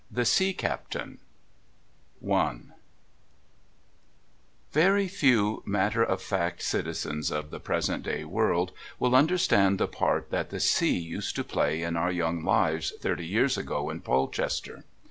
THE SEA CAPTAIN I Very few matter of fact citizens of the present day world will understand the part that the sea used to play in our young lives thirty years ago in Polchester.